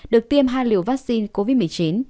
được tiêm hai liều vaccine covid một mươi chín